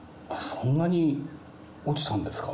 そんなに落ちたんですか？